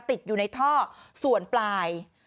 ติดอยู่ในท่อส่วนปลาย